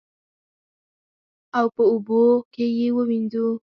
او په اوبو کې یې ووینځو.